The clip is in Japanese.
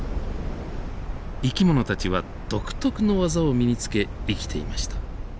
生き物たちは独特の技を身につけ生きていました。